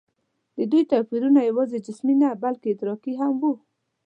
د دوی توپیرونه یواځې جسمي نه، بلکې ادراکي هم وو.